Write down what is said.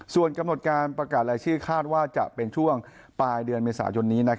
ส่วนกำหนดการประกาศรายชื่อคาดว่าจะเป็นช่วงปลายเดือนเมษายนนี้